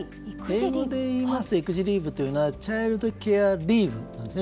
英語で言いますと育児リーブというのはチャイルド・ケア・リーブです。